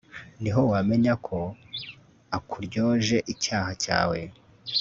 ni ho wamenya ko akuryoje icyaha cyawe